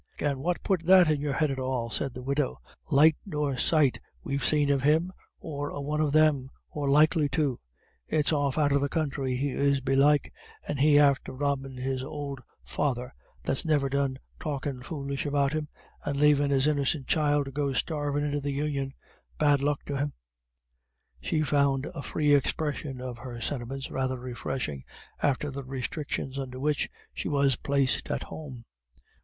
"And what put that in your head at all?" said the widow. "Light nor sight we've seen of him, or a one of them, or likely to. It's off out of the counthry he is belike, and he after robbin' his ould father, that's niver done talkin' foolish about him, and lavin' his innicent child to go starvin' into the Union bad luck to him." She found a free expression of her sentiments rather refreshing after the restrictions under which she was placed at home.